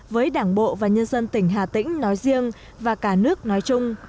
với đảng bộ và nhân dân tỉnh hà tĩnh nói riêng và cả nước nói chung